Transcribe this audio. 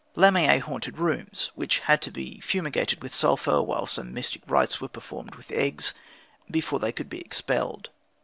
Lamiæ haunted rooms, which had to be fumigated with sulphur, while some mystic rites were performed with eggs before they could be expelled.